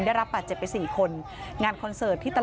ตอนนี้ก็ไม่มีอัศวินทรีย์ที่สุดขึ้นแต่ก็ไม่มีอัศวินทรีย์ที่สุดขึ้น